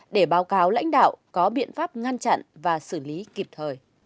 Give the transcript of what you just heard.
để báo cáo lãnh đạo có biện pháp ngăn chặn và xử lý kịp thời